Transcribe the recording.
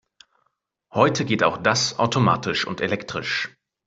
Heute geht auch das automatisch und elektrisch.